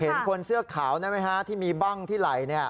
เห็นคนเสื้อขาวได้ไหมฮะที่มีบ้างที่ไหล่